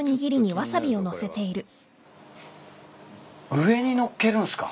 上に載っけるんすか。